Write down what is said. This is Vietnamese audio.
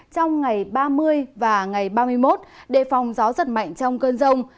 trong ngày ba mươi và ngày ba mươi một đề phòng gió giật mạnh trong cơn rông